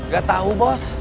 gak tau bos